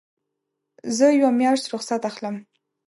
زه یوه میاشت رخصت اخلم.